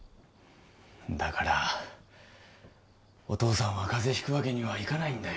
だからお父さんはカゼひくわけにはいかないんだよ